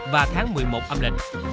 và tháng một mươi một âm lịch